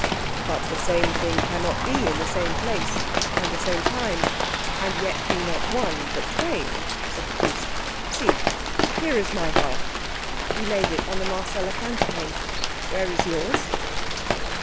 "But the same thing cannot be in the same place and the same time, and yet be not one, but twain," said the Priest. "See, here is my half." He laid it on the Marcella counterpane. "Where is yours?"